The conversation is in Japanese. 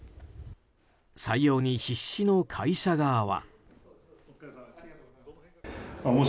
採用に必死の会社側は。